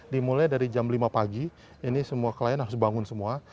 dimulai dari jam lima pagi ini semua klien harus bangun semua